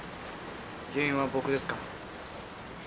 原因は僕ですから。